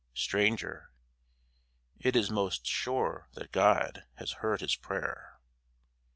STRANGER It is most sure that God has heard his prayer.